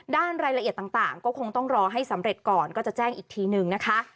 รายละเอียดต่างก็คงต้องรอให้สำเร็จก่อนก็จะแจ้งอีกทีนึงนะคะ